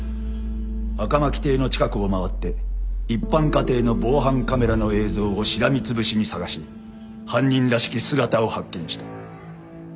赤巻邸の近くを回って一般家庭の防犯カメラの映像をしらみつぶしに捜し犯人らしき姿を発見した。